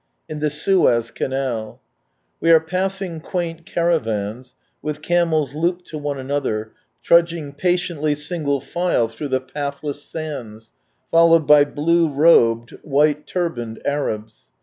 /// the Sues Caital.—\Ve are passing quaint caravans, with camels loojjed to one another, trudging patiently single file through the pathless sands, followed by blue robed, white turbaned Arabs.